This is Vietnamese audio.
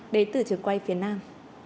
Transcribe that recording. đến từ trường quay phía nam